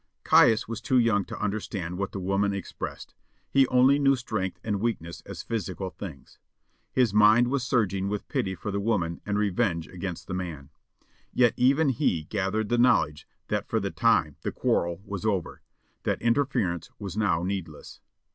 Caius was too young to understand what the woman expressed; he only knew strength and weakness as physical things; his mind was surging with pity for the woman and revenge against the man; yet even he gathered the knowledge that for the time the quarrel was over, that interference was now needless.